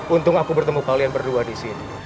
untung aku bertemu kalian berdua disini